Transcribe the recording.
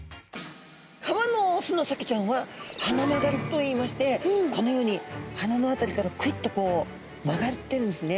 川のオスのサケちゃんは鼻曲がりといいましてこのように鼻の辺りからクイッとこう曲がってるんですね。